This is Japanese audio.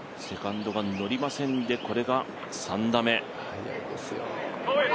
セカンドがのりませんでこれが３打目。